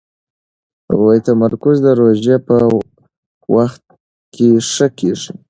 تمرکز د روژې په وخت کې ښه کېږي.